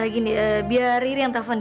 gini biar riri yang telepon dia